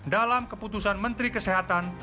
dalam keputusan menteri kesehatan